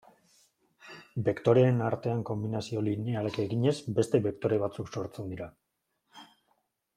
Bektoreen artean konbinazio linealak eginez beste bektore batzuk sortzen dira.